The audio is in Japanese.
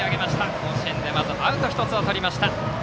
甲子園でまずアウト１つをとりました。